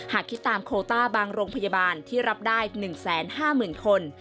หากคิดตามโคต้าบางโรงพยาบาลที่รับได้๑๕๐๐๐คน